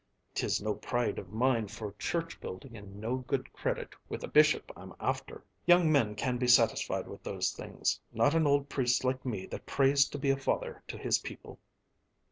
"'Tis no pride of mine for church building and no good credit with the bishop I'm after. Young men can be satisfied with those things, not an old priest like me that prays to be a father to his people."